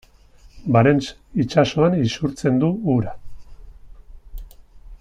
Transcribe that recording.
Barents itsasoan isurtzen du ura.